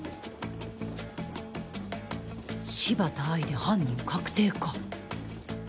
柴田愛衣で犯人確定か。